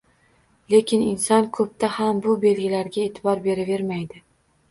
Lekin inson koʻpda ham bu belgilarga eʼtibor beravermaydi